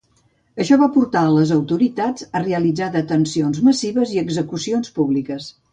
Això va portar a les autoritats a realitzar detencions massives i execucions públiques.